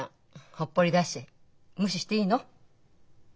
ほっぽり出して無視していいの？